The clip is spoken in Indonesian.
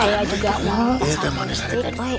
saya juga mau sama istri